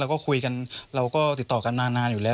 ก็คุยกันเราก็ติดต่อกันนานอยู่แล้ว